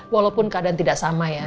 walaupun keadaan tidak sama ya